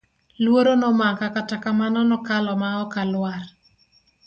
Luoro nomaka kata kamano nakalo ma ok alwar.